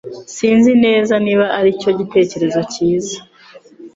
Sinzi neza niba aricyo gitekerezo cyiza